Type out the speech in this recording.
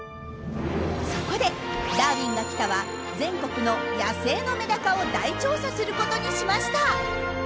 そこで「ダーウィンが来た！」は全国の野生のメダカを大調査することにしました！